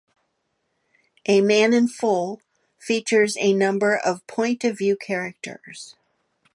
"A Man In Full" features a number of point-of-view characters.